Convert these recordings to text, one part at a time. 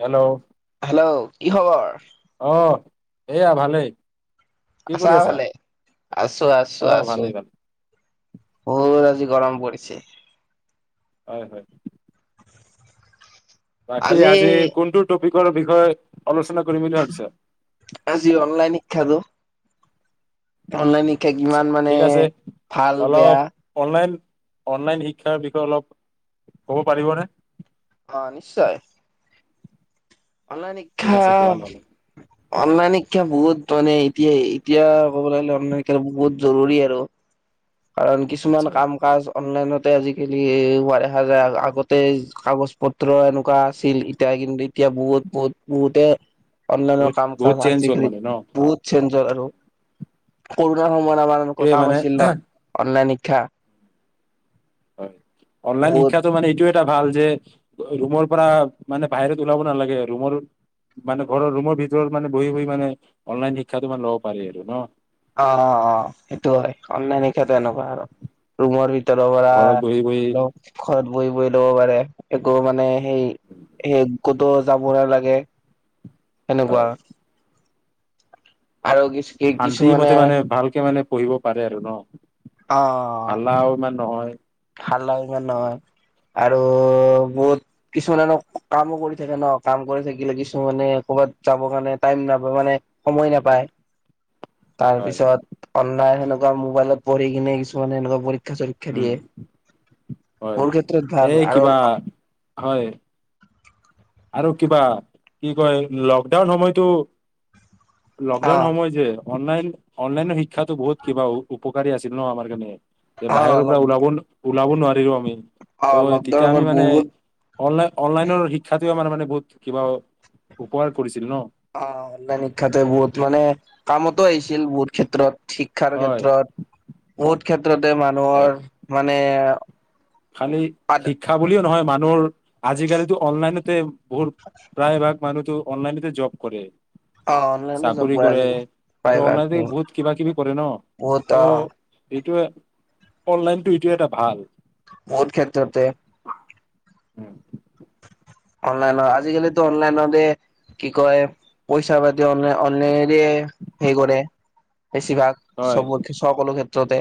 Hello! Hello! কি খবৰ? অ', এইয়া ভালেই। কি আছা কৰি ভালে? আছোঁ, আছোঁ, অ আছোঁ। ভালেই ভালেই বহুত আজি গৰম পৰিছে। হয়, হয়। বাকী আজি কোনটো টপিকৰ বিষয়ে আলোচনা কৰিম বুলি ভাবিছা? আজি অনলাইন শিক্ষাটো। অনলাইন শিক্ষা আচ্ছা কিমান মানে ঠিক আছে ভাল বেয়া। অলপ অনলাইন, অনলাইন শিক্ষাৰ বিষয়ে অলপ ক'ব পাৰিবনে? অ', নিশ্চয়। অনলাইন ঠিক আছে শিক্ষা কোৱা নহ'লে অনলাইন শিক্ষা বহুত মানে এতিয়াই এতিয়া ক'বলৈ গ'লে অনলাইন শিক্ষাটো বহুত জৰুৰী আৰু। কাৰণ কিছুমান আচ্ছা কাম কাজ। অনলাইনতে আজিকালি হোৱা দেখা যায় আ-আগতে কাগজ পত্ৰ এনেকুৱা আছিল এতিয়া কিন্তু এতিয়া বহুত বহুত বহুতে অনলাইনৰ বহুত কাম কাজ বহুত চেঞ্জ হ'ল আজিকালি মানে ন বহুত চেঞ্জৰ আৰু কৰোণাৰ সময়ত আমাৰ এনেকুৱা এইটোৱে কাম মানে আছিল ন' অনলাইন শিক্ষা হয়, অনলাইন বহুত শিক্ষাত মানে এইটো এটা ভাল যে, ৰুমৰ পৰা মানে বাহিৰত ওলাব নালাগে ৰুমৰ মানে ঘৰৰ ৰুমৰ ভিতৰত মানে বহি বহি মানে অনলাইন শিক্ষাটো মান ল'ব পাৰি আৰু ন? অ', অ', অ', সেইটো হয়, অনলাইন শিক্ষাটো এনেকুৱা আৰু। ৰুমৰ ভিতৰৰ পৰা ঘৰত বহি বহি ঘৰত বহি বহি ল'ব পাৰে একো মানে সেই সেই ক'তো যাব নালাগে। সেনেকুৱা হয় আৰু কিচ-কি শান্তি মতে মানে ভালকে মানে পঢ়িব পাৰে আৰু ন? অ হাল্লাও ইমান নহয়। হাল্লা ইমান নহয়, আৰু বহুত কিছুমানেনো কামো কৰি থাকে ন, কাম কৰি থাকিলে কিছুমানে ক'ৰবাত যাব কাৰণে টাইম নাপায়, মানে সময় নাপায়। তাৰ হয় পিছত অনলাইন সেনেকুৱা মোবাইলত পঢ়ি কিনে কিছুমানে সনেুৱা পৰীক্ষা চৰীক্ষা উম দিয়ে। হয়, মোৰ ক্ষেত্ৰত ভাল এই আৰু কিবা, হয়। আৰু কিবা, কি কয় লকডাউন সময়তো লকডাউন অ' সময় যে অনলাইন, অনলাইনৰ শিক্ষাতো বহুত কিবা উপকাৰী আছিল ন আমাৰ কাৰণে যে অ' বাহিৰৰ পৰা লগ ওলাব নু ওলাব নোৱাৰিলো আমি অ' ত' তেতিয়া আমি লকডাউনত মানে বহুত অনলাইন অনলাইনৰ শিক্ষাটোৱে মানে মানে বহুত কিবা উপকাৰ কৰিছিল, ন? অ' অনলাইন শিক্ষাতো বহুত মানে কামতো আহিছিল বহুত ক্ষেত্ৰত শিক্ষাৰ হয় ক্ষেত্ৰত, বহুত ক্ষেত্ৰতে হয় মানুহৰ মানে খালি আদ শিক্ষা বুলিয়ে নহয় মানুহৰ আজিকালিতো অনলাইনতে বহুত, প্ৰায়ভাগ মানুহতো অনলাইনতে জব কৰে। অ', অনলাইনতে জব কৰে আজিকালি। আৰু প্ৰায়ভাগ অনলাইতে বহুত কিবা কিবি কৰে ন? অ'। সেইটোয়ে, অনলাইনটো এইটোয়ে এটা ভাল বহুত ক্ষেত্ৰতে [unintelligible] উম। অনলাইনত, আজিকালিটো অনলাইনতে কি কয়? পইচা পাতি অনে অনলাইনেডিয়ে হেৰী কৰে, বেছিভাগ হয় চবতে সকলো ক্ষেত্ৰতে।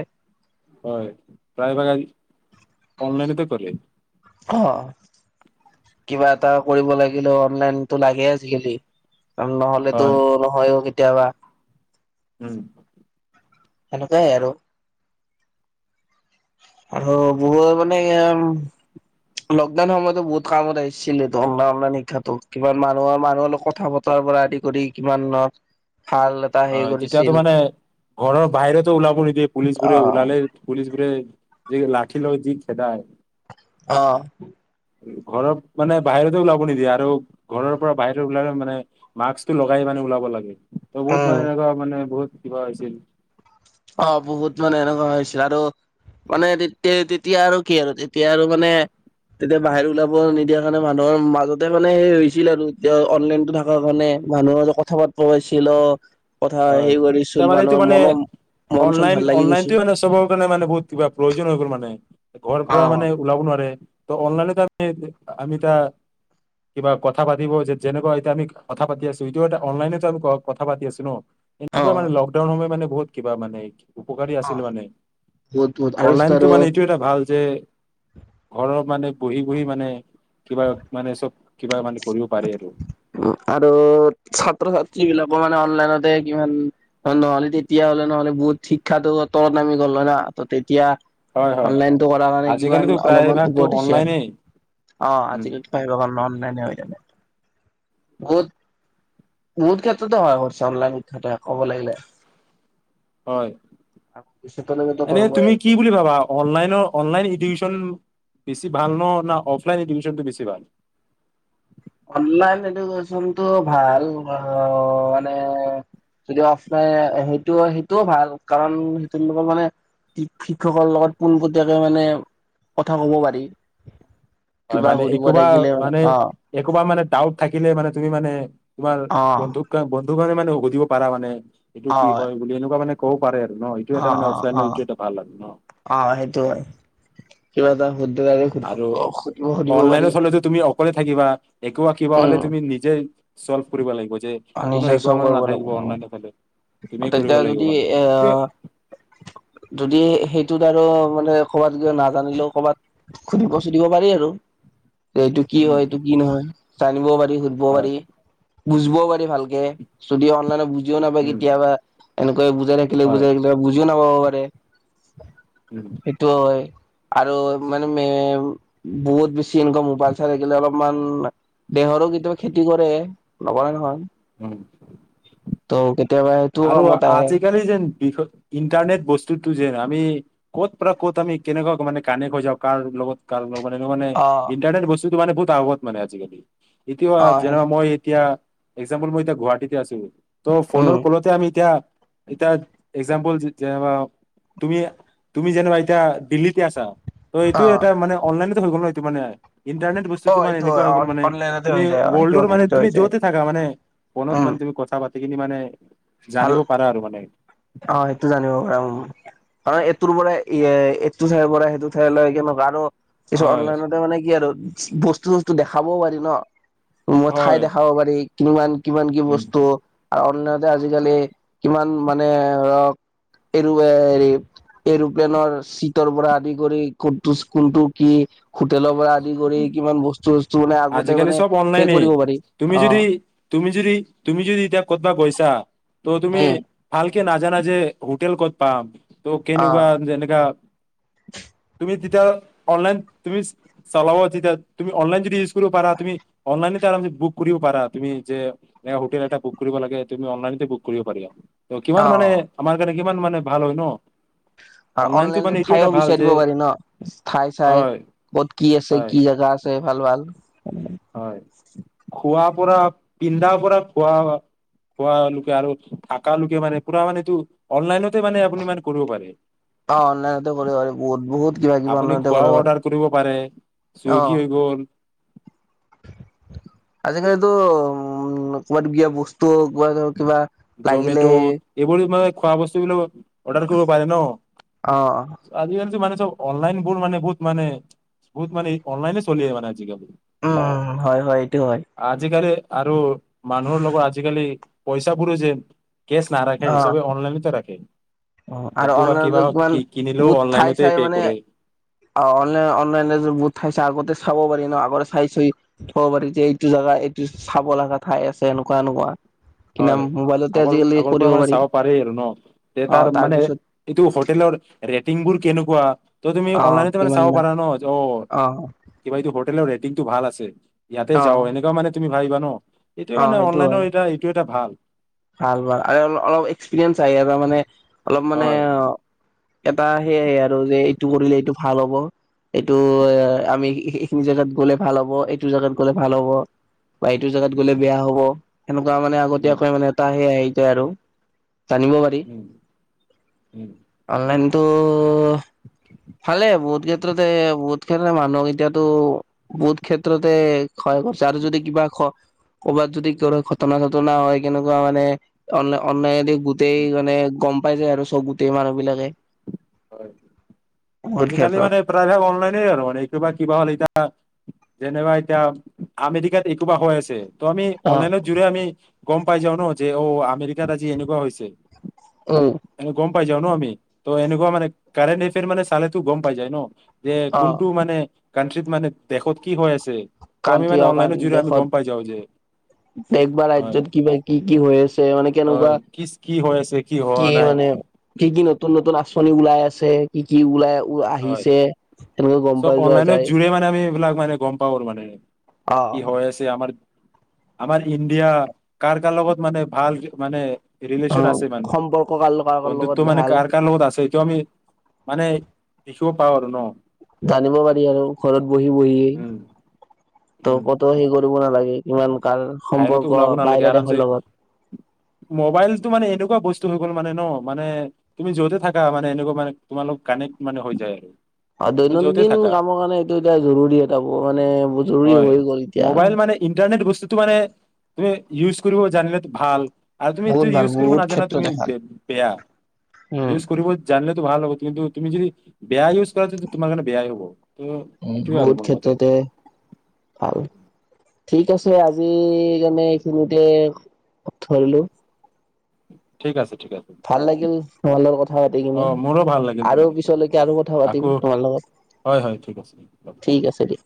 হয় প্ৰায় ভাগ অনলাইনতে কৰে। অ' কিবা এটা কৰিব লাগিলেও অনলাইনতো লাগে আজিকালি। নহ'লেতো হয় নহয়ও কেতিয়াবা। উম। সেনেকুৱাই আৰু। আৰু বহুতে মানে [unintelligible] লকডাউন সময়তো বহুত কামত আহিছিলেতো অনলাই-অনলাইন শিক্ষাটো কিমান মানুহৰ মানুহৰ লগত কথা পতা তাৰ পৰা আদি কৰি কিমান ন ভাল এটা হেৰি হয়, তেতিয়াতো কৰিছিল মানে ঘৰৰ বাহিৰতো ওলাব নিদিয়ে পুলিচ অ বোৰে ওলালেই পুলিচ বোৰে যে লাঠি লৈ যি খেদায়। অ'। ঘৰত মানে বাহিৰতে ওলাব নিদিয়ে, আৰু ঘৰৰ পৰা বাহিৰত ওলালে মানে মাস্কটো লগাই মানে ওলাব লাগে, ত' বহুত উম মানে এনেকুৱা মানে বহুত কিবা হৈছিল অ' বহুত মানে এনেকুৱা হৈছে আৰু মানে তেতিয়া, তেতিয়া আৰু কি আৰু তেতিয়া আৰু মানে তেতিয়া বাহিৰ ওলাব নিদিয়াৰ কাৰণে মানুহৰ মাজতে মানে হেই হৈছিল আৰু এতিয়া অনলাইনো থকা কাৰণে। মানুহৰ মাজত কথা পাতব পাইছিল অ', কথা হয় হেৰি এতিয়া কৰিছিল, মানে এইটো মানুহৰ মানে মন মন চন অনলাইন ভাল লাগি গৈছিল। অনলাইনটোৱে মানে চবৰ কাৰণে মানে বহত কিবা প্ৰয়োজন হৈ গ'ল মানে, ঘৰ অ পৰা মানে ওলাব নোৱাৰে ত' অনলাইন [unintelligible] আমি তা কিবা কথা পাতিব যে যেনেকুৱা এতিয়া আমি কথা পাতি আছো এইটো এটা অনলাইনতে আমি কথা পাতি আছো ন? অ এনেকুৱা মানে লকডাউন সময় মানে বহুত কিবা মানে এই উপকাৰী আছিল মানে, বহুত বহুত আৰু অনলাইনটো আৰু মানে এইটো এটা ভাল যে ঘৰৰ মানে বহি বহি মানে কিবা মানে চব কিবা মানে কৰিব পাৰে আৰু। অ আৰু ছাত্ৰ - ছাত্ৰীবিলাকো মানে অনলাইনতে কিমান খন নহলে তেতিয়া হলে নহ'লে বহুত শিক্ষাটো তলত নামি গল হয় না ত তেতিয়া হয় হয় অনলাইনটো কৰা কাৰণে কিমান আজিকালিতো অলপমান প্ৰায়ভাগতো উভতিছে, অনলাইনেই অ' আজিকালি। প্ৰায় ভাগৰ নাম নাই নহয় এতিয়াতে, [unintelligible] বহুত ক্ষেত্ৰতে হয় [unintelligible] অনলাইন [unintelligible] ক'ব লাগিলে। হয়, ভৱিষ্যতলৈকেতো এনেও কৰিবই। তুমি কি বুলি ভাবা অনলাইনৰ অনলাইন এডুকেশ্যন বেছি ভাল ন না অফলাইন এডুকেশ্যনটো বেছি ভাল? অনলাইন এডুকেশ্যনটো ভাল অ' মানে যদিও অফলাই সেইটোও সেইটোও ভাল কাৰণ সেইটো লগত মানে তি শিক্ষকৰ লগত পোনপটীয়াকৈ মানে কথা কব পাৰি। হয় কিবা মানে সুধিব একোবা থাকিলে মানে অ' একোবা মানে ডাউট থাকিলে মানে তুমি মানে তোমাৰ অ' বন্ধুক কা বন্ধু কাৰে মানে সুধিব পাৰা মানে এইটো কি অ' হয় বুলি এনেকুৱা মানে ক'ব পাৰে আৰু ন। অ, এটা মানে অ, অ, অফলাইনৰ এইটো এটা ভাল আৰু ন অ সেইটো হয়, কিবা এটা সুধো আৰু আৰু অনলাইনত থলেতো তুমি অকলে থাকিবা, একো আ কিবা হলে উম। তুমি নিজেই চলভ কৰিব লাগিব যে কোনো নিজে চব শিকোৱা মানুহ কৰিব নাথাকিব লাগিব অনলাইনৰ ফালে, তুমিয়ে তেতিয়া কৰিব যদি লাগিব মানে এইটোৱে এ যদি সেইটোত আৰু মানে কৰ'বাত কিয় নাজানিলেও কৰ'বাত সুধিব - ছুধিব পাৰি আৰু। যে এইটো কি উম হয় এইটো কি নহয়? জানিবও পাৰি, সুধিব পাৰি, হয় বুজিবও পা তে ভালকে, যদি অনলাইনত বুজিও নাপায় উম কেতিয়াবা এনেকুৱাই বুজাই থাকিলে হয় বুজাই ত বুজিও নাপাব পাৰে। উম'। সেইটো হয়। আৰু মানে মেম বহুত বেছি এনেকুৱা মোবাইল চাই থাকিলে অলপমান দেহৰো কেতিয়াবা খেতি কৰে নকৰা নহয়। উম'। ত কেতিয়াবা সেইটোও আৰু কামত আহে আজিকালি যেন বিষ ইণ্টাৰনেট বস্তুটো যেন আমি ক'ত পৰা ক'ত আমি কেনেকুৱা মানে কানেক্ট হৈ যাওঁ কাৰ লগত কাৰণ মানে কে মানে অ ইণ্টাৰনেট বস্তুটো মানে বহুত আগত মানে আজিকালি। এতিয়া অ যেন সেই মই এতিয়া একজাম্পল মই এতিয়া গুৱাহাটীতে আছো, ত ফনৰ উম তে আমি এতিয়া, এতিয়া একজাম্পল যে যেনেকুৱা তুমি, তুমি যেনেকুৱা এতিয়া দিল্লীতে আছা। ত, অ এইটোয়ে এটা মানে অনলাইনত হৈ গল ন এইটো মানে ইণ্টাৰনেট বস্ত চু অ তোমাৰ এইটো এনেকোৱা হয় হৈ গল মানে অনলাইনতে তুমি হৈ যায় অ সেইটো ৱৰ্ল্ডৰ মানে অনলাইনতে তুমি হৈ যায় যতে থাকা মানে ফনত উম মানে তুমি কথা পা সেইখিনি মানে, ভাল জানিব পাৰা আৰু মানে। অ, সেইটো জানিব পাৰোম। হয়, এইটোৰ পৰাই ই এ এইটো ঠাইৰ পৰা সেইটো ঠাইলৈ কেনেকুৱা আৰু পিছত হয় অনলাইনতে মানে কি আৰু চি বস্তু-চস্তু দেখাবও পাৰি ন? মথাই হয় দেখাব পাৰি, কিমান-কিমান কি উম বস্তু? আৰু অনলাইনতে আজিকালি কিমান মানে ধৰক এইটো অ হেৰি এৰোপ্লেনৰ চিটৰ পৰা আদি কৰি কোনটোছ কোনটো কি হোটেলৰ পৰা আদি কৰি কিমান বস্তু-চস্তু মানে আগতে আজিকালি মানে চব সেই অনলাইনে কৰিব পাৰি তুমি অ। যদি তুমি যদি, তুমি যদি এতিয়া ক'তবা গৈছা ত' তুমি উম ভালকে নাজানা যে হোটেল ক'ত পাম, ত অ কেনেকুৱা যেনেকা তুমি তেতিয়া অনলাইন তুমি চলাব তেতিয়া তুমি অনলাইন যদি ইউজ কৰিব পাৰা তুমি অনলাইনে বুক কৰিব পাৰা। তুমি যে নে হোটেল এটা বুক কৰিব লাগে তুমি অনলাইনতে বুক কৰিব পাৰা। ত, কিমান মানে অ আমাৰ কাৰণে কিমান মানে ভাল হয় ন? আৰু অনলাইনটো অনলাইনত মানে এইটো এটা ঠাইও ভাল যে বিচাৰিব পাৰি ন, ঠাই-চাই। হয় ক'ত কি আছে, হয় কি জেগা আছে ভাল ভাল। হয়, খোৱা পৰা পিন্ধাৰ পৰা খোৱা খোৱা লোকে, আৰু থাক লোকে মানে পুৰা মানেটো অনলাইনতে মানে আপুনি মানে কৰিব পাৰে। অ, অনাইনতে কৰিব পাৰি বহুত বহুত কিবা কিবি আপুনি অনলাইনতে খোৱাও পাৰি অৰ্ডাৰ কৰিব পাৰে, অ চুইগি হৈ গ'ল। আজিকালিতো উম ক'ৰবাত গিয়ে বস্তু স্তু ক'ৰবাত আৰু কিবা জমেট' লাগিলে এইবোৰ মানে খোৱা বস্তু বিলাক অৰ্ডাৰ কৰিব পাৰে ন। অ আজিকালিতো মানে চব অনলাইন বোৰ মানে, বহুত মানে, বহুত মানে অনলাইন চলিয়ে মানে আজিকালি। উম, হয় হয় এইটো হয়। আজিকালি আৰু মানুহৰ লগত আজিকালি পইচাবোৰো যে কেচ নাৰাখে, অ এই চব অনলাইনেতে ৰাখে। আৰু একো বা অনলাইনতো কিবা কিমান কিনিলেও বহুত ঠাই অনলাইনতে চাই পে মানে কৰে। অ' অনলাইন অনলাইনে বহুত চাইছে আগতে চাব পাৰি ন আগতে চাইছই। থব পাৰি যে এইটো জোগা এইটো চাব লগা ঠাই আছে। এনেকুৱা এনেকুৱা কিনা হয়। মোবাইলতে আগৰ আজিকালি আগৰ পৰা কৰিব মানে চাব পাৰি আৰু ন। তে অ তাৰ মানে তাৰপিছত এইটো হোটেলৰ ৰেটিং বোৰ কেনেকুৱা, ত তুমি অ অনলাইনে মানে কিমান চাব মান পাৰা ন। অ' কিবা এইটো হোটেলৰ ৰেটিংটো ভাল আছে ইয়াতে অ যাওঁ, এনেকুৱা মানে তুমি ভাবিবা ন। এইটোয়ে অ মানে সেইটো হয় অনলাইনৰ এটা এইটো এটা ভাল ভাল, ভাল আৰু অলপ এক্সপিৰিয়েঞ্চ আহে আৰু, মানে অলপ মানে হয় এটা সেয়াই আৰু যে এইটো কৰিলে এইটো ভাল হ'ব। এইটো এ আমি এইখিনি জেগাত গ'লে ভাল হ'ব, এইটো জেগাত গ'লে ভাল হ'ব। বা এইটো জেগাত গ'লে বেয়া হ'ব। সেনেকুৱা মানে উম আগতীয়াকৈ মানে এটা সে আৰু জানিব পাৰি। উম উম অনলাইনটো ভালে, বহুত ক্ষেত্ৰতে বহুত ক্ষেত্ৰতে মানুহক এতিয়াতো বহুত ক্ষেত্ৰতে সহায় কৰিছে, আৰু যদি কিবা ক'ৰবাত যদি কৰা ঘটনা চটনা হয় কেনেকুৱা মানে, অনলাই অনালাইনেদি উম গোটেই মানে গ'ম পাই যায় আৰু চব গোটেই মানুহ বিলাকে। হয়। বহুত আজিকালি ক্ষেত্ৰত মানে প্ৰায়ভাগ অনলাইনে আৰু, মানেটো কিবা হ'লে এতিয়া যেনেবা এতিয়া আমেৰিকাত একোবা হৈ আছে ত' আমি অ অনলাইনৰ জুৰে আমি গ'ম পাই যাও ন? যে অ আমেৰিকাত আজি এনেকুৱা হৈছে। উম। গ'ম পাই যাওঁ ন আমি, ত' এনেকুৱা মানে কাৰেণ্ট এফেয়াৰ মানে চালেতো গ'ম পাই যায় ন। যে অ কোনটো মানে কাণ্ট্ৰিত মানে দেশত কি হৈ আছে। ত' আমি কাণ্ট্ৰি মানে অকান অনলাইনৰ জৰিয়তে আমি দেশত গম পাই যাওঁ যে দেশ বা হয় ৰাজ্যত কিবা কি কি হৈ আছে মানে কেনেকুৱা হয় কি কি হৈ আছে হোৱা কি নাই মানে কি কি নতুন নতুন আঁচনি ওলাই আছে। কি কি ওলাই হয় আহিছে সেনেকৈ গ'ম চব পাই যোৱা অনলাইনৰ যায়। জোৰে মানে আমি এইবিলাক মানে গ'ম পাও আৰু মানে অ কি হৈ আ ছে আমাৰ আমাৰ ইণ্ডিয়া কাৰ কাৰ লগত মানে ভাল মানে অ ৰিলেচন আছে মানে সম্পৰ্ক কাৰ কাৰ বন্ধুত্ব লগত মানে ভাল কাৰ কাৰ লগত আছে এইটো আমি মানে দেখিব পাওঁ আৰু ন'! জানিব পাৰি আৰু ঘৰত বহি বহিয়ে উম ত' উম কতো সেই কৰিব নালাগে। ইমান কাৰ বাহিৰতো সম্পৰ্ক ওলাব নালাগে বাহিৰা আৰামছে দেশৰ লগত। মোবাইলটো মানে এনেকুৱা বস্তু হৈ গ'ল মানে ন' মানে তুমি য'তে থাকা মানে এনেকুৱা মানে তোমালোক কানেক্ট মানে হৈ যায় আৰু। অ', তুমি য'তে দৈনন্দিন থাকা কামৰ কাৰণে এইটো এতিয়া জৰুৰী এটা মানে জৰুৰী হয় হৈ গ'ল এতিয়া আৰু। মোবাইল মানে ইণ্টাৰনেট বস্তুটো মানে তুমি ইউজ কৰিব জানিলে ভাল। আৰু তুমি বহুত যদি ভাল ইউজ কৰিব বহুত নাজানা তুমি ক্ষেত্ৰতে ব ভাল বেয়া, উম, ইউজ কৰিব জানলেতো ভাল হ'ব কিন্তু তুমি যদি বেয়া ইউজ কৰা তে তোমাৰ কাৰণে বেয়াই হ'ব। ত' উম, সেইটোয়ে আৰু বহুত মোৰ মতে ক্ষেত্ৰতে ভাল ঠিক আছে আজি কাৰণে এইখিনিতে ধৰিলোঁ। ঠিক আছে ঠিক আছে। ভাল লাগিল তোমাৰ লগত কথা পাতি অ কিনে। মোৰো ভাল লাগিল আৰু তোমাৰ লগত পিছলৈকে আৰু কথা আকৌ পাতিম তোমাৰ লগত। হয় হয় ঠিক আছে ঠিক আছে [unintelligible]